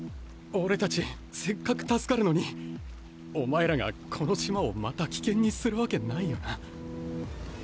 俺たちせっかく助かるのにお前らがこの島をまた危険にするわけないよな。